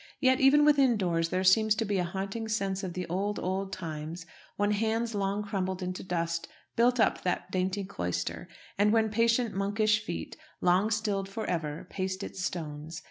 Yet even within doors there seems to be a haunting sense of the old, old times when hands long crumbled into dust built up that dainty cloister, and when patient monkish feet, long stilled for ever, paced its stones.